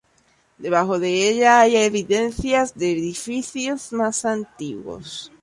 Debajo de ella hay evidencias de edificios más antiguos.